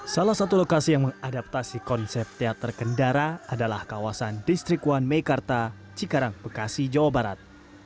salah satu lokasi yang mengadaptasi konsep teater kendara adalah kawasan distrik one meikarta cikarang bekasi jawa barat